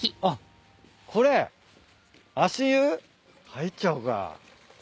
入っちゃおうか。